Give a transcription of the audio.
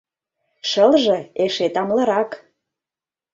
Шылже эше тамлырак.